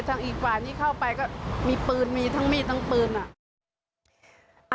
อีกกว่านี้เข้าไปก็มีปืนมีทั้งมีดทั้งปืนอ่ะ